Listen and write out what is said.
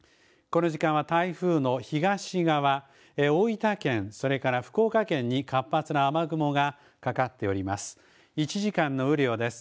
この時間は台風の東側、大分県、それから福岡県に活発な雨雲がかかっております。